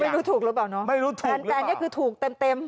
ไม่รู้ถูกหรือเปล่าเนาะแต่อันนี้คือถูกเต็ม